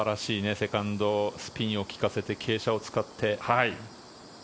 セカンド、スピンを利かせて傾斜を使って。